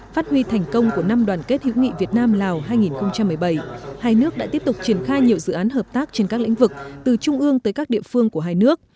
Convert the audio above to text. phát huy thành công của năm đoàn kết hữu nghị việt nam lào hai nghìn một mươi bảy hai nước đã tiếp tục triển khai nhiều dự án hợp tác trên các lĩnh vực từ trung ương tới các địa phương của hai nước